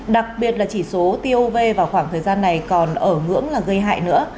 đặc biệt là chỉ số tov vào khoảng thời gian này còn ở ngưỡng là gây hại nữa